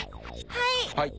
はい。